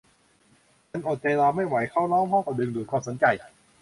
ฉันอดใจรอไม่ไหวเขาร้องพร้อมกับดึงดูดความสนใจ